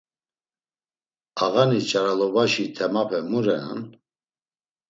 Ağani ç̌aralobaşi temape mu renan?